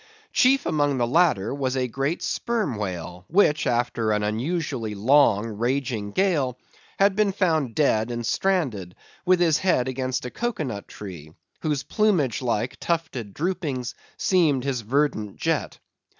Chief among these latter was a great Sperm Whale, which, after an unusually long raging gale, had been found dead and stranded, with his head against a cocoa nut tree, whose plumage like, tufted droopings seemed his verdant jet.